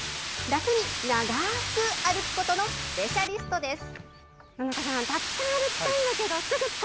楽に長ーく歩くことのスペシャリストです。